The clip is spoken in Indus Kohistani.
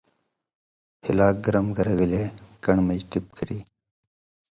ہِلاک گرم کرہ گلے کن٘ڑہۡ مژ ٹِپ کری۔